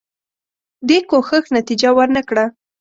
دې کوښښ نتیجه ورنه کړه.